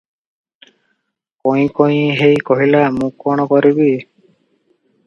କଇଁ କଇଁ ହେଇ କହିଲା, ମୁଁ କଣ କରିବି?